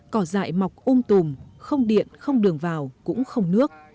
cỏ dại mọc um tùm không điện không đường vào cũng không nước